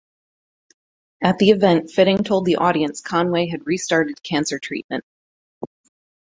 At the event Fitting told the audience Conway had restarted cancer treatment.